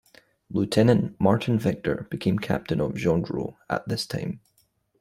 Lieutenant Martin Victor became captain of "Gendreau" at this time.